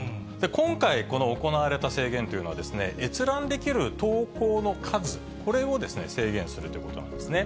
今回この行われた制限というのは、閲覧できる投稿の数、これを制限するということなんですね。